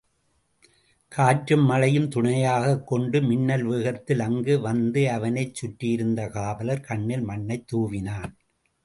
காற்றும் மழையும் துணையாகக் கொண்டு மின்னல் வேகத்தில் அங்கு வந்து அவனைச் சுற்றியிருந்த காவலர் கண்ணில் மண்ணைத் தூவினான்.